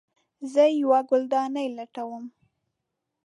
زه یوه ګلدانۍ لټوم